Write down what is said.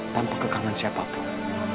tanpa kekangan siapapun